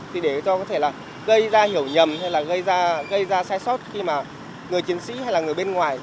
thì để cho có thể là gây ra hiểu nhầm hay là gây ra sai sót khi mà người chiến sĩ hay là người bên ngoài